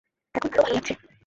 এখন আরো ভালো লাগছে।